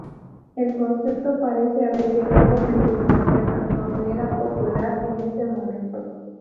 El concepto parece haber llegado desde Inglaterra, donde era popular en ese momento.